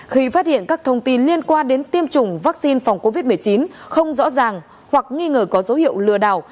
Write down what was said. khi phát hiện các thông tin liên quan đến tiêm chủng vaccine phòng covid một mươi chín không rõ ràng hoặc nghi ngờ có dấu hiệu lừa đảo